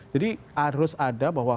jadi harus ada bahwa